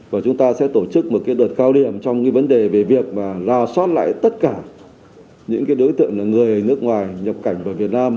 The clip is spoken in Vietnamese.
và chúng ta sẽ tổ chức một đợt kháo điểm trong vấn đề về việc lào sót lại tất cả những đối tượng là người nước ngoài nhập cảnh vào việt nam